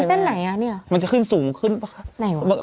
เส้นไหนอ่ะเนี่ยมันจะขึ้นสูงขึ้นไหนวะ